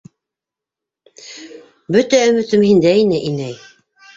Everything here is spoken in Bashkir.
- Бөтә өмөтөм һиндә ине, инәй.